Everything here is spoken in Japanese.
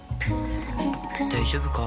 大丈夫か？